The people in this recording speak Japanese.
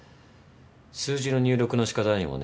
数字の入力のしかたにもね